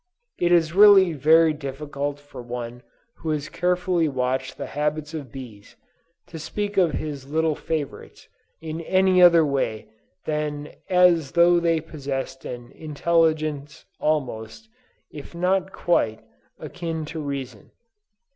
It is really very difficult for one who has carefully watched the habits of bees, to speak of his little favorites in any other way than as though they possessed an intelligence almost, if not quite, akin to reason.